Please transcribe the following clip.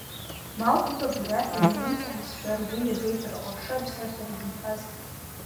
Мал дук агәараҳәа инарымҵаҳазшәа ргәы иабеит рҟыршы аԥсы ахьырзынхаз.